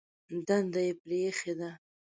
دنده یې پرېښې ده.